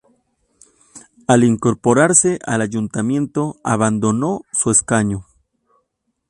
Al incorporarse al ayuntamiento, abandonó su escaño.